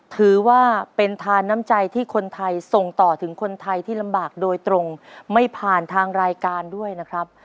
ถือว่าเป็นทานน้ำใจที่คนไทยส่งต่อถึงคนไทยที่ลำบากโดยตรงไม่ผ่านทางรายการด้วยนะครับ